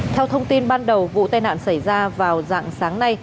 theo thông tin ban đầu vụ tai nạn xảy ra vào dạng sáng nay